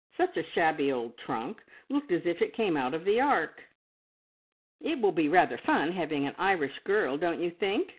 Such a shabby old trunk! Looked as if it came out of the Ark." "It will be rather fun having an Irish girl, don't you think?"